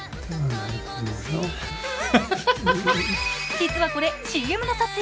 実はこれ、ＣＭの撮影。